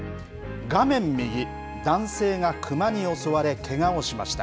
画面右、男性がクマに襲われけがをしました。